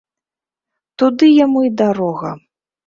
Туды яму і дарога!